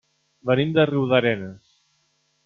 Venim de Riudarenes.